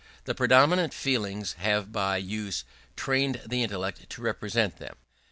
The predominant feelings have by use trained the intellect to represent them.